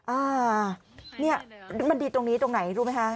อ่าเนี่ยมันดีตรงนี้ตรงไหนรู้ไหมคะ